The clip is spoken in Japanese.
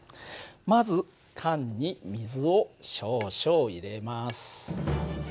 まず缶に水を少々入れます。